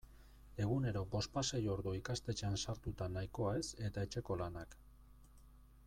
Egunero bospasei ordu ikastetxean sartuta nahikoa ez eta etxeko lanak.